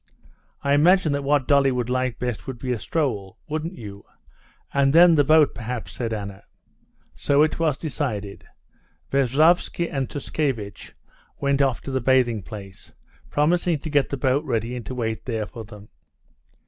"I imagine that what Dolly would like best would be a stroll—wouldn't you? And then the boat, perhaps," said Anna. So it was decided. Veslovsky and Tushkevitch went off to the bathing place, promising to get the boat ready and to wait there for them.